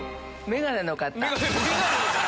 眼鏡の方